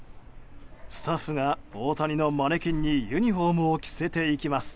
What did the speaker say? スタッフが大谷のマネキンにユニホームを着せていきます。